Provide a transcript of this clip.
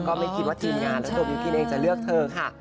ก็ไม่คิดว่าทีมงานแล้วตรงนี้พี่เนย์จะเลือกเธอค่ะ